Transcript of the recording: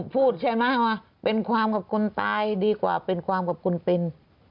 เป็นความขอบคุณตายดีกว่าเป็นความขอบคุณเป็น